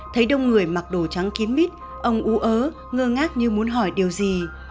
thấy đông người mặc đồ trắng kiếm mít ông ú ớ ngơ ngác như muốn hỏi điều gì